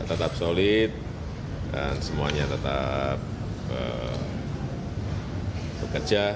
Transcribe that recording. tetap solid dan semuanya tetap bekerja